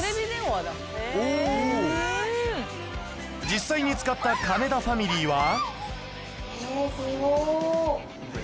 実際に使った金田ファミリーは